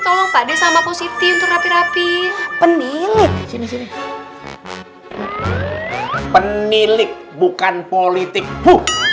tolong pada sama posisi untuk rapi rapi penilik penilik bukan politik